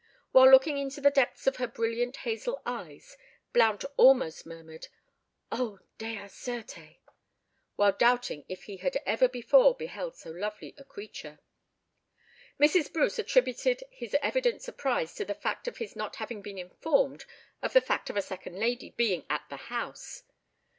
While looking into the depths of her brilliant hazel eyes, Blount almost murmured "O, Dea certe!" while doubting if he had ever before beheld so lovely a creature. Mrs. Bruce attributed his evident surprise to the fact of his not having been informed of the fact of a second lady being at the house.